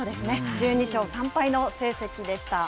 １２勝３敗の成績でした。